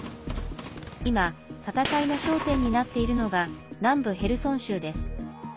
今、戦いの焦点になっているのが南部ヘルソン州です。